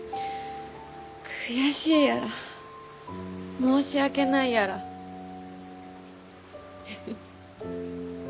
悔しいやら申し訳ないやらフフッ